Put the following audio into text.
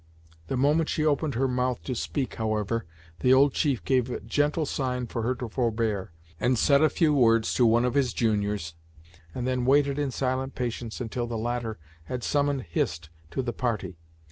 The moment she opened her mouth to speak, however, the old chief gave a gentle sign for her to forbear, said a few words to one of his juniors, and then waited in silent patience until the latter had summoned Hist to the party.